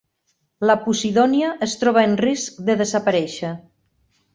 La posidònia es troba en risc de desaparèixer.